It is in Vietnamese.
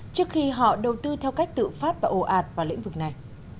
trước khi họ đầu tư theo cách tự phát và ồ ạt vào lĩnh vực này